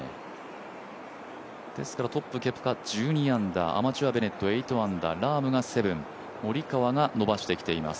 トップ、ケプカ１２アンダー、アマチュア・ベネット８アンダー、ラームが７、モリカワが伸ばしてきています。